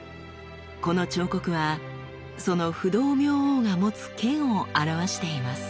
この彫刻はその不動明王が持つ剣を表しています。